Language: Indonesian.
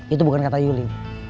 itu bukan kata yuli